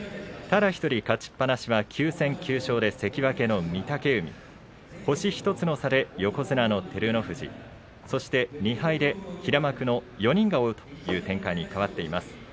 ただ１人勝ちっぱなしは９戦９勝の関脇の御嶽海星１つの差で横綱の照ノ富士そして２敗で平幕の４人が追うという展開に変わっています。